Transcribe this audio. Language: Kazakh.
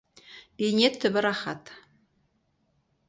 Бейнет түбі — рақат.